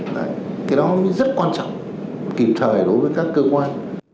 và cái đó rất quan trọng kịp thời đối với các cơ quan